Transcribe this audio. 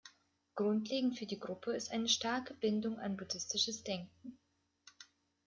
Grundlegend für die Gruppe ist eine starke Bindung an buddhistisches Denken.